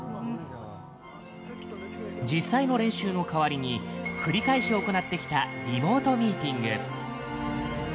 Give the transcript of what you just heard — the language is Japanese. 実際の練習の代わりに繰り返し行ってきたリモートミーティング。